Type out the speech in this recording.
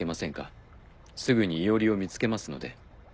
すぐに庵を見つけますので。